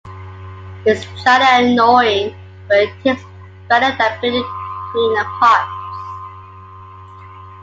It's jolly annoying, but it is better than being the Queen of Hearts.